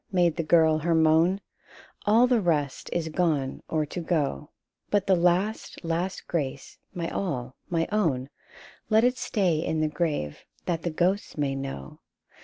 " made the girl her moan —" All the rest is gone or to go ; But the last, last grace, my all, my own, Let it stay in the grave, that the ghosts may know!